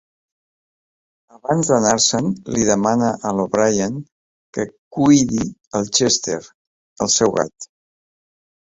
Abans d'anar-se'n, li demana a l'O'Brien que cuidi el Chester, el seu gat.